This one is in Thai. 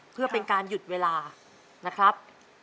เพื่อเป็นการหยุดเวลานะครับ